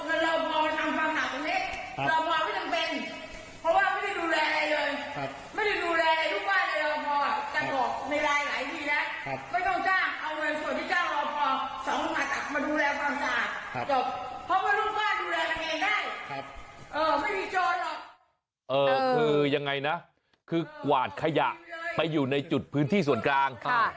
คือยังไงนะคือกวาดขยะไปอยู่ในจุดพื้นที่ส่วนกลาง